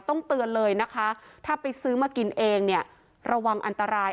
ต้องเตือนเลยนะคะถ้าไปซื้อมากินเองเนี่ยระวังอันตราย